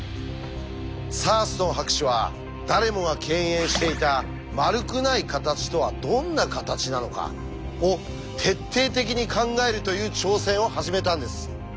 サーストン博士は誰もが敬遠していた「丸くない形とはどんな形なのか」を徹底的に考えるという挑戦を始めたんです。